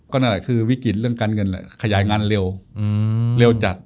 ก็นั่นแหละคือวิกฤตเรื่องการเงินขยายงานเร็วเร็วจัด